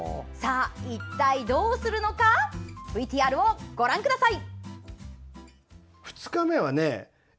一体どうするのかＶＴＲをご覧ください。